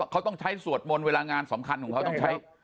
เขาต้องใช้สวดมนต์เวลางานสำคัญของเขาต้องใช้